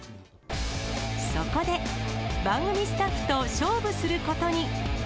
そこで、番組スタッフと勝負することに。